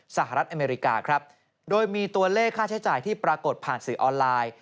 สหรัฐอเมริกาครับโดยมีตัวเลขค่าใช้จ่ายที่ปรากฏผ่านสื่อออนไลน์